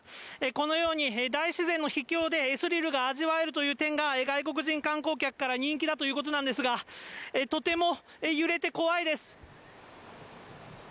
このように、大自然の秘境でスリルが味わえるという点が、外国人観光客から人気だということなんですが、とても揺れて怖いです。